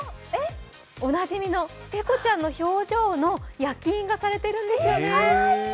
おなじみのペコちゃんの表情の焼き印が記されているんです。